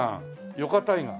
「ヨカタイガー」